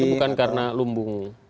itu bukan karena lumbung